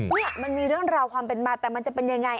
นี่มันมีเรื่องราวความเป็นมาแต่มันจะเป็นยังไง